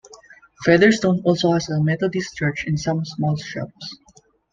Featherstone also has a Methodist church and some small shops.